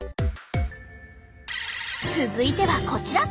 続いてはこちら！